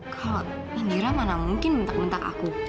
kak indira mana mungkin bentak bentak aku